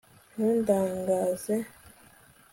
ntundangaze